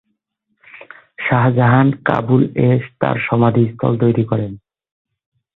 শাহজাহান কাবুল এ তার সমাধিস্থল তৈরি করেন।